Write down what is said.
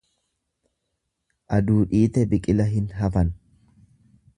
Aduu dhiite biqila hin hafan.